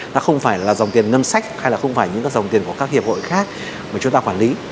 nó không phải là dòng tiền ngân sách hay là không phải những cái dòng tiền của các hiệp hội khác mà chúng ta quản lý